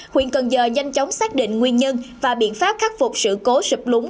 huyện cần giờ nhanh chóng xác định nguyên nhân và biện pháp khắc phục sự cố sụp lúng